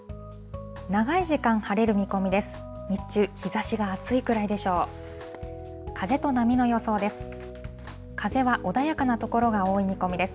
長い時間晴れる見込みです。